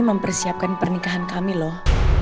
mempersiapkan pernikahan kami loh